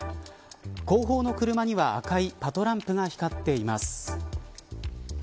後方の車には赤いパトランプが光っています。